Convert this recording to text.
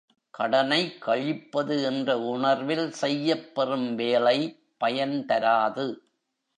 கடனைக் கழிப்பது என்ற உணர்வில் செய்யப் பெறும் வேலை பயன் தராது.